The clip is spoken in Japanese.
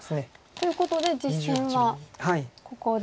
ということで実戦はここで。